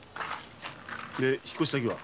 で引っ越し先は？